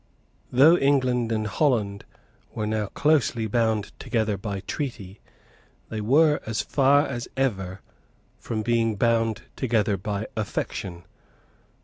Though England and Holland were now closely bound together by treaty, they were as far as ever from being bound together by affection.